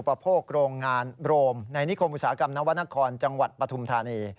ประโภคโรงงานโรมในนิคมอุตสาหกรรมนวรรณครจังหวัดปฐุมธานี